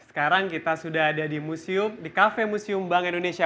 sekarang kita sudah ada di museum di kafe museum bank indonesia